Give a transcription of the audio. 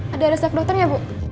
ada resep dokternya bu